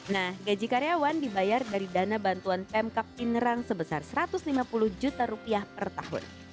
nah gaji karyawan dibayar dari dana bantuan pemkap pinerang sebesar satu ratus lima puluh juta rupiah per tahun